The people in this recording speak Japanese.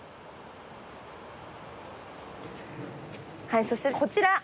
はいそしてこちら。